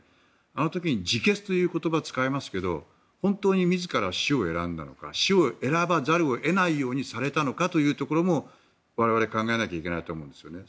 あの時に自決という言葉使いますけど本当に自ら死を選んだのか死を選ばざるを得ないようにされたのかというところも我々は考えないといけないと思うんですよね。